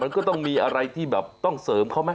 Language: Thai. มันก็ต้องมีอะไรที่แบบต้องเสริมเขาไหม